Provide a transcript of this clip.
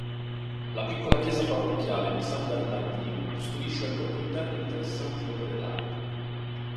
La piccola chiesa parrocchiale di San Bernardino, custodisce al proprio interno interessanti opere d'arte.